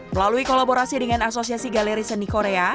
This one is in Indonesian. melalui kolaborasi dengan asosiasi galeri seni korea